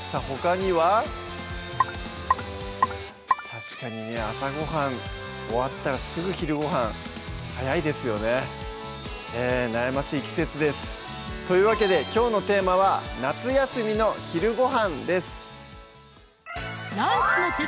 確かにね朝ごはん終わったらすぐ昼ごはん早いですよねええ悩ましい季節ですというわけできょうのテーマは「夏休みの昼ごはん」です